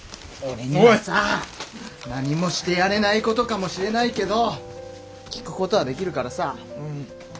俺にはさ何もしてやれないことかもしれないけど聞くことはできるからさ。